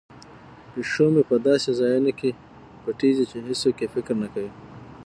پیشو مې په داسې ځایونو کې پټیږي چې هیڅوک یې فکر نه کوي.